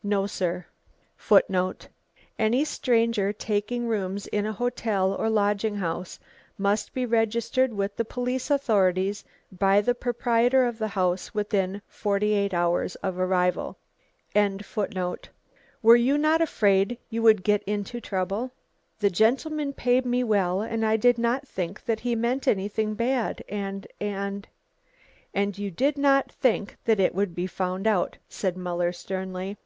* "No, sir." * Any stranger taking rooms in a hotel or lodging house must be registered with the police authorities by the proprietor of the house within forty eight hours of arrival. "Were you not afraid you would get into trouble?" "The gentleman paid me well, and I did not think that he meant anything bad, and and " "And you did not think that it would be found out?" said Muller sternly.